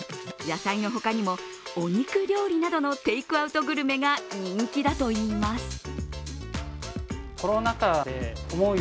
野菜の他にもお肉料理などのテイクアウトグルメが人気だといいます。